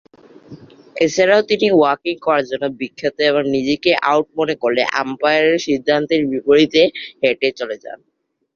এছাড়াও তিনি ওয়াকিং করার জন্য বিখ্যাত এবং নিজেকে আউট মনে করলে আম্পায়ারের সিদ্ধান্তের বিপরীতে হেটে চলে যান।